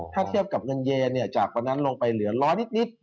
ถ้าเทียบกับเงินเยนจากวันนั้นลงไปเหลือร้อยนิด